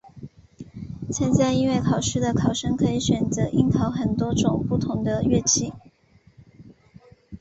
参加音乐考试的考生可以选择应考很多种不同的乐器。